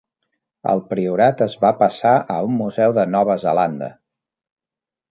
El priorat es va passar a un museu de Nova Zelanda.